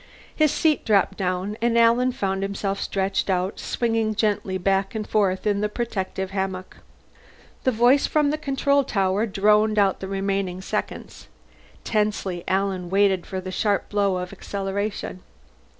His seat dropped down, and Alan found himself stretched out, swinging gently back and forth in the protecting hammock. The voice from the control tower droned out the remaining seconds. Tensely Alan waited for the sharp blow of acceleration.